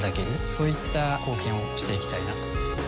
そういった貢献をしていきたいなと。